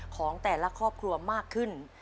ของแต่ละครอบครัวมากขึ้น